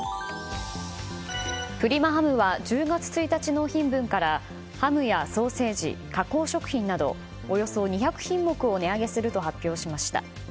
プリマハムは１０月１日納品分からハムやソーセージ、加工食品などおよそ２００品目を値上げすると発表しました。